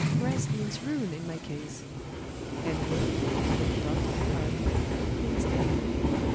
Rest means ruin in my case." "And work," added the doctor, quietly, "means death."